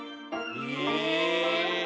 え！？